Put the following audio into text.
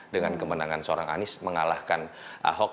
dengan kemenangan seorang anies mengalahkan ahok